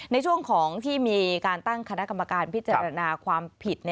ในช่วงของที่มีการตั้งคณะกรรมการพิจารณาความผิด